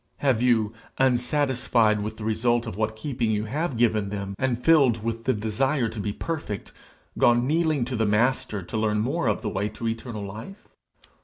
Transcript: Have you, unsatisfied with the result of what keeping you have given them, and filled with desire to be perfect, gone kneeling to the Master to learn more of the way to eternal life?